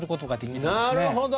なるほど！